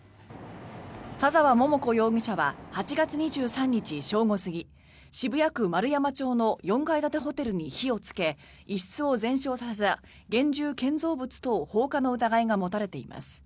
左澤桃子容疑者は８月２３日正午過ぎ渋谷区円山町の４階建てホテルに火をつけ一室を全焼させた現住建造物等放火の疑いが持たれています。